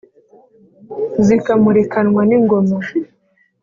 zikamurikanwa n’ ingoma,